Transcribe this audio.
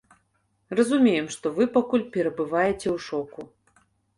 Разумеем, што вы пакуль перабываеце ў шоку.